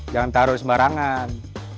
jangan taruh sembarangan